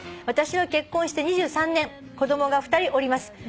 「私は結婚して２３年子供が２人おります」